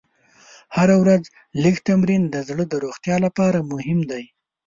هره ورځ لږ تمرین د زړه د روغتیا لپاره مهم دی.